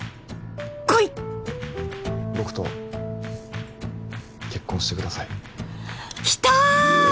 こいっ僕と結婚してくださいきたー！